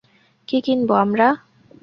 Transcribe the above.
কী কিনব আমরা?